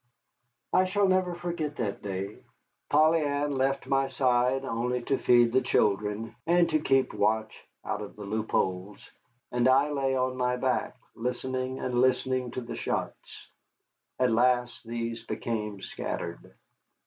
I shall never forget that day. Polly Ann left my side only to feed the children and to keep watch out of the loopholes, and I lay on my back, listening and listening to the shots. At last these became scattered.